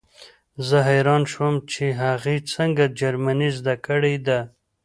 زه حیران شوم چې هغې څنګه جرمني زده کړې ده